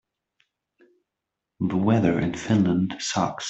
The weather in Finland sucks.